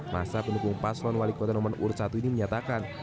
masa pendukung paslon wali kota nomor urut satu ini menyatakan